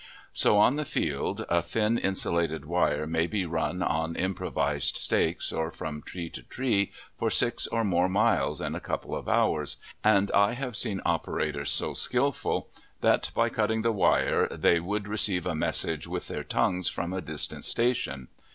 So on the field a thin insulated wire may be run on improvised stakes or from tree to tree for six or more miles in a couple of hours, and I have seen operators so skillful, that by cutting the wire they would receive a message with their tongues from a distant station.